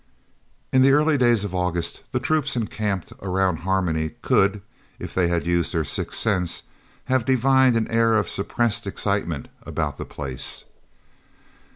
In the early days of August the troops encamped around Harmony could, if they had used their sixth sense, have divined an air of suppressed excitement about the place.